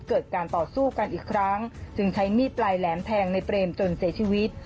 เกิดการต่อสู้กันอีกครั้งจึงใช้มีดปลายแหลมแทงในเปรมจนเสียชีวิต